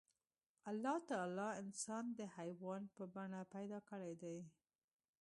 الله تعالی انسان د حيوان په بڼه پيدا کړی دی.